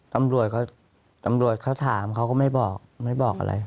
ตำรวจเขาถามเขาก็ไม่บอกไม่บอกอะไร